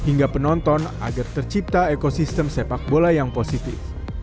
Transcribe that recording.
nonton agar tercipta ekosistem sepak bola yang positif